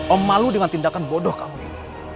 om malu dengan tindakan bodoh kamu ini